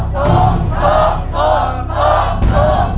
ถูก